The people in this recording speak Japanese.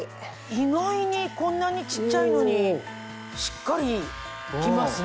意外にこんなに小っちゃいのにしっかり来ますね。